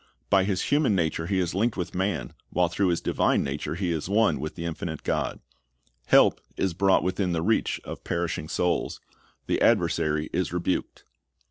By His human nature He is linked with man, while through His divine nature He is one with the infinite God. Help is brought within the reach of perishing souls. The adversary is rebuked.